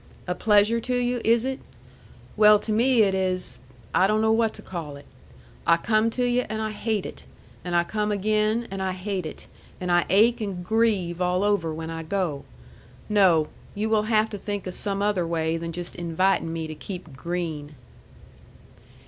A pleasure to you, is it? Well, to me it is I don't know what to call it. I come to yu' and I hate it, and I come again and I hate it, and I ache and grieve all over when I go. No! You will have to think of some other way than just invitin' me to keep green."